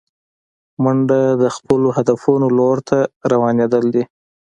منډه د خپلو هدفونو لور ته روانېدل دي